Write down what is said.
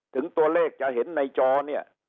ถึงตัวเลขจะเห็นในจอเนี่ย